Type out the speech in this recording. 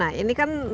dan mengurangi keadaan